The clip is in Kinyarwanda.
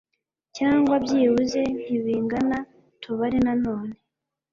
Cyangwa byibuze ntibingana tubare nanone